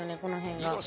この辺が。